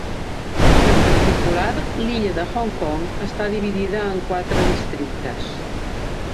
En particular, l'illa de Hong Kong està dividida en quatre districtes.